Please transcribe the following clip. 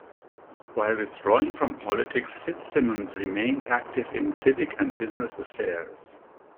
While withdrawing from politics, Fitzsimons remained active in civic and business affairs.